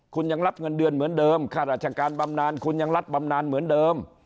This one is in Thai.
คุณยังรับเงินเดือนเหมือนเดิมค่าราชการบำนานคุณยังรับบำนานเหมือนเดิม